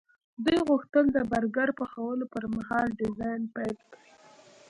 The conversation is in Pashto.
دوی غوښتل د برګر پخولو پرمهال ډیزاین پیل کړي